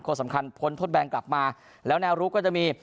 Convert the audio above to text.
สำคัญพ้นทดแบนกลับมาแล้วแนวรู้ก็จะมี